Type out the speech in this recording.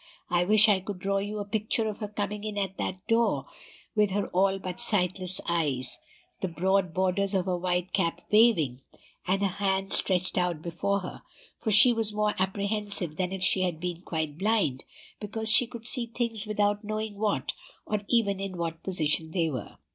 I wish I could draw you a picture of her coming in at that door, with her all but sightless eyes, the broad borders of her white cap waving, and her hands stretched out before her; for she was more apprehensive than if she had been quite blind, because she could see things without knowing what, or even in what position they were.